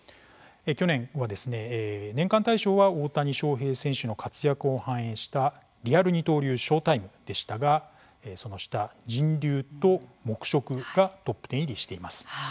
去年はですね、年間大賞は大谷翔平選手の活躍を反映したリアル二刀流、ショータイムでしたがその下、人流と黙食がトップ１０入りしています。